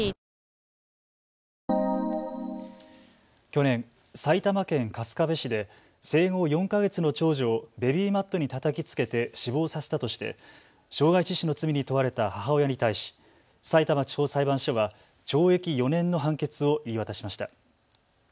去年、埼玉県春日部市で生後４か月の長女をベビーマットにたたきつけて死亡させたとして傷害致死の罪に問われた母親に対し、さいたま地方裁判所は懲役４年の判決を言い渡しました。